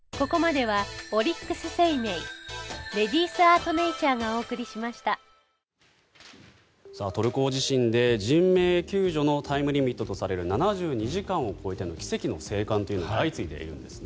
トルコ大地震で人命救助のタイムリミットとされる７２時間を超えての奇跡の生還というのが相次いでいるんですね。